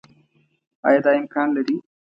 آيا دا امکان لري